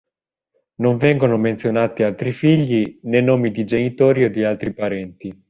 Non vengono menzionati altri figli, né nomi di genitori o di altri parenti.